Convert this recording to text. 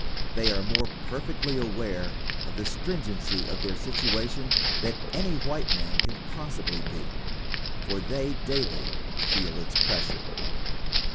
They are more perfectly aware of the stringency of their situation than any white man can possibly be, for they daily feel its pressure.